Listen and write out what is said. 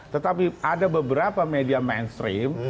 tetapi ada beberapa media mainstream